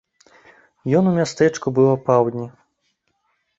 Ён у мястэчку быў апаўдні.